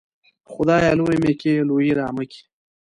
خدايه! لوى مې کې ، لويي رامه کې.